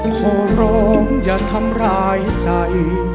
ขอร้องอย่าทำร้ายใจ